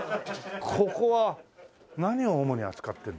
ここは何を主に扱ってるんですか？